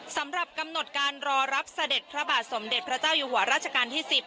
สำหรับกำหนดการรอรับเสด็จพระบาทสมเด็จพระเจ้าอยู่หัวราชการที่๑๐